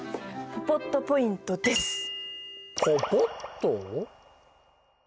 ポポッとポイントです！